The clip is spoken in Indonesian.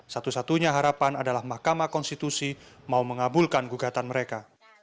satu satunya harapan adalah mahkamah konstitusi mau mengabulkan gugatan mereka